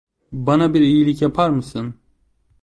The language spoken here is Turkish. Bana bir iyilik yapar mısın?